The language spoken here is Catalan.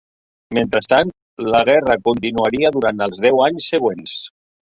Mentrestant, la guerra continuaria durant els deu anys següents.